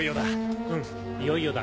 いよいよだ。